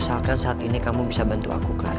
asalkan saat ini kamu bisa bantu aku kan